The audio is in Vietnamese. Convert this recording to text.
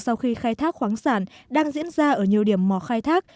sau khi khai thác khoáng sản đang diễn ra ở nhiều điểm mò khai thác